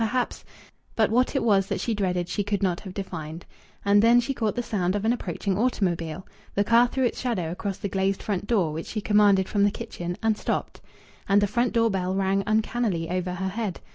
Perhaps ..." But what it was that she dreaded she could not have defined. And then she caught the sound of an approaching automobile. The car threw its shadow across the glazed front door, which she commanded from the kitchen, and stopped. And the front door bell rang uncannily over her head.